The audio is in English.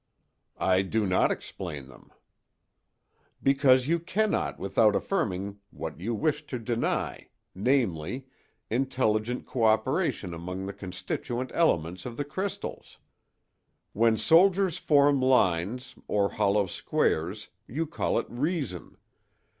"I do not explain them." "Because you cannot without affirming what you wish to deny, namely, intelligent cooperation among the constituent elements of the crystals. When soldiers form lines, or hollow squares, you call it reason.